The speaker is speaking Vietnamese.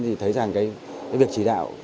thì thấy rằng cái việc chỉ đạo